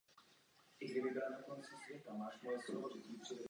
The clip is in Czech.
V zemských volbách byl zvolen na Sedmihradský zemský sněm.